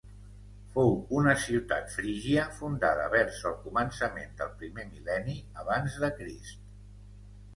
Fou una ciutat frígia fundada vers el començament del primer mil·lenni abans de Crist.